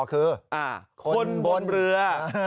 คือคนบนเรือ